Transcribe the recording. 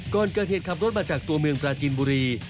ก่อนเกิดเหตุขับรถมาจากตัวเมืองปราจินบุรี